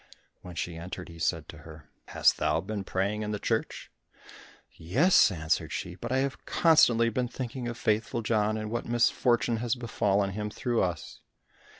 When she entered, he said to her, "Hast thou been praying in the church?" "Yes," answered she, "but I have constantly been thinking of Faithful John and what misfortune has befallen him through us."